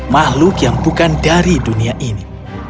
makhluk yang bukan dari dunia ini